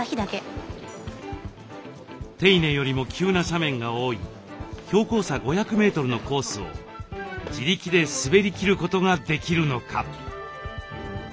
手稲よりも急な斜面が多い標高差５００メートルのコースを自力で滑りきることができるのか。